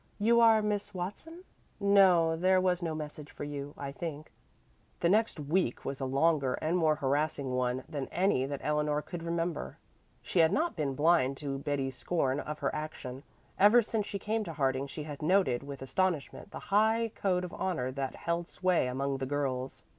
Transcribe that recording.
You are Miss Watson? No, there was no message for you, I think." The next week was a longer and more harassing one than any that Eleanor could remember. She had not been blind to Betty's scorn of her action. Ever since she came to Harding she had noted with astonishment the high code of honor that held sway among the girls.